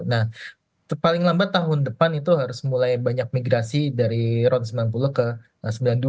nah paling lambat tahun depan itu harus mulai banyak migrasi dari ron sembilan puluh ke sembilan puluh dua